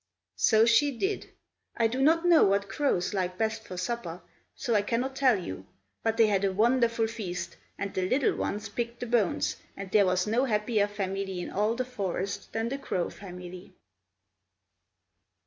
So she did! I do not know what crows like best for supper, so I cannot tell you; but they had a wonderful feast, and the little ones picked the bones, and there was no happier family in all the forest than the Crow Family.